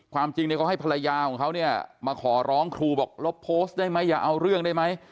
ความจริงเนี่ยเขาให้ภรรยาของเขาเนี่ยมาขอร้องครูบอกลบโพสต์ได้ไหมอย่าเอาเรื่องได้ไหม